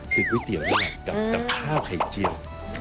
คือก๋วยเตี๋ยวแรกกับข้าวไข่เจียว